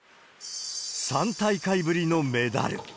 ３大会ぶりのメダル。